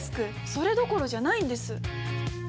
それどころじゃないんです！